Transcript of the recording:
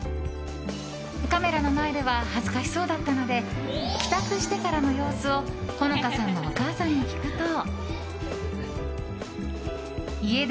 カメラの前では恥ずかしそうだったので帰宅してからの様子をほのかさんのお母さんに聞くと。